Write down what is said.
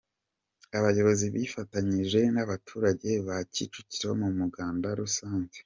Abayobozi bifatanyije n’abaturage ba Kicukiro mu muganda rusange